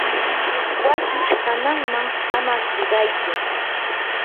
wasi hananman ama hiqaytsu.